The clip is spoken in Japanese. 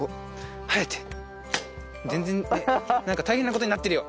全然なんか大変なことになってるよ！